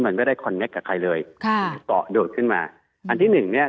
มันไม่ได้กับใครเลยค่ะต่อโดดขึ้นมาอันที่หนึ่งเนี้ย